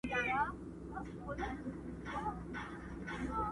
مور زوی ملامتوي زوی مور ته ګوته نيسي او پلار .